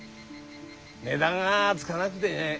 値段がつがなくてね。